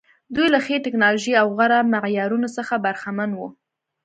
دوی له ښې ټکنالوژۍ او غوره معیارونو څخه برخمن وو.